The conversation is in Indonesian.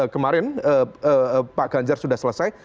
kemarin pak ganjar sudah selesai